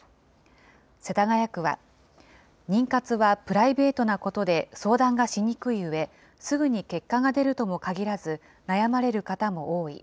世田谷区は、妊活はプライベートなことで相談がしにくいうえ、すぐに結果が出るともかぎらず、悩まれる方も多い。